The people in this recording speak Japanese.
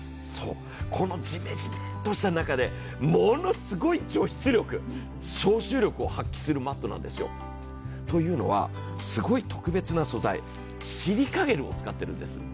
このじめじめっとした中でものすごい除湿力、消臭力を発揮するマットなんですよ。というのは、すごい特別な素材、シリカゲルを使っているんです。